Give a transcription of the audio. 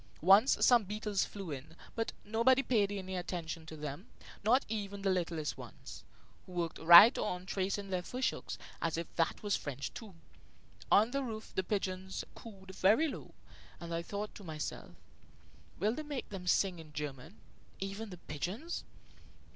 Once some beetles flew in; but nobody paid any attention to them, not even the littlest ones, who worked right on tracing their fish hooks, as if that was French, too. On the roof the pigeons cooed very low, and I thought to myself: "Will they make them sing in German, even the pigeons?"